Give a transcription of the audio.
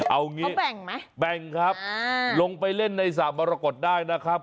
เอางี้แบ่งไหมแบ่งครับลงไปเล่นในสระมรกฏได้นะครับ